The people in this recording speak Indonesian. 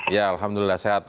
ya alhamdulillah sehat